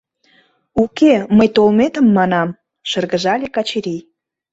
— Уке, мый толметым манам, — шыргыжале Качырий.